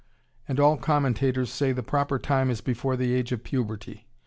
And all commentators say the proper time is before the age of puberty....